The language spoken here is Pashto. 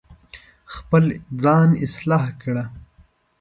خپل ځان اصلاح کړه